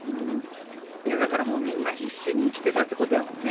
いやだからもうみんな必死に生きてたってことやもんね。